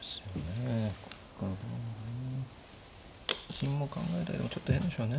金も考えたけどもちょっと変でしょうね。